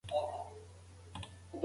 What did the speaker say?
زه به بیا هیڅکله داسې سفر تجربه نه کړم.